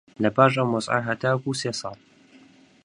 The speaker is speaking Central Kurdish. لەپاش ئەم وەزعە هەتاکوو سێ ساڵ